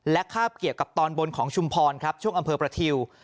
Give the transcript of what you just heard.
คาบเกี่ยวกับตอนบนของชุมพรครับช่วงอำเภอประทิว